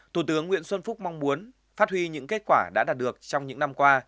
thủ tướng nguyễn xuân phúc mong muốn phát huy những kết quả đã đạt được trong những năm qua